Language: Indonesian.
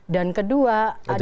dan kedua ada